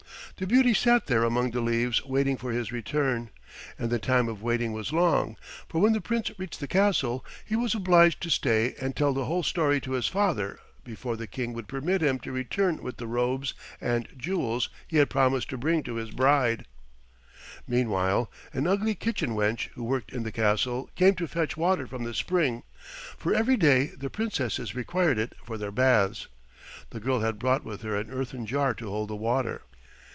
The beauty sat there among the leaves waiting for his return, and the time of waiting was long, for when the Prince reached the castle he was obliged to stay and tell the whole story to his father before the King would permit him to return with the robes and jewels he had promised to bring to his bride. [Illustration: The Princess took the cup and drank.] Meanwhile an ugly kitchen wench who worked in the castle came to fetch water from the spring, for every day the Princesses required it for their baths. The girl had brought with her an earthen jar to hold the water.